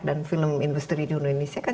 dan film industri di indonesia kan